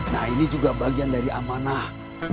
nah ini juga bagian dari amanah